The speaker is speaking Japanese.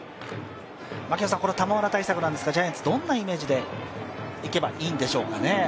この玉村対策ですが、ジャイアンツはどんなイメージでいけばいいですか？